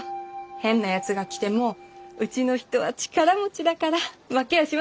変なやつが来てもうちの人は力持ちだから負けやしませんよ。